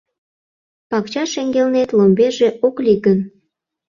Пакча шеҥгелнет ломберже ок лий гын